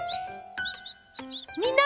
みんな！